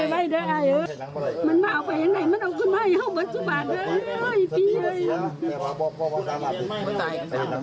เฮ้ยพี่เฮ้ย